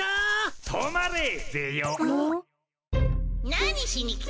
・何しに来た？